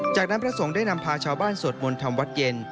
จากนั้นพระสงฆ์ได้นำพาชาวบ้านสวดมนต์ทำวัดเย็น